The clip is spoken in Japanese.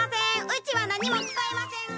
うちは何も聞こえません！